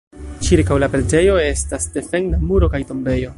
Ĉirkaŭ la preĝejo estas defenda muro kaj tombejo.